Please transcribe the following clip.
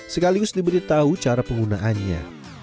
sekaligus diberitahu cara penggunaannya